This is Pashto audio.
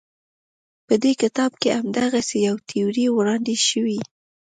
په دې کتاب کې همدغسې یوه تیوري وړاندې شوې.